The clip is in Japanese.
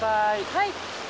はい。